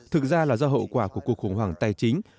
thực ra là do hậu quả của cuộc khủng hoảng tài chính